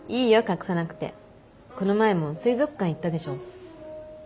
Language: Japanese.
この前も水族館行ったでしょ？